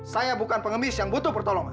saya bukan pengemis yang butuh pertolongan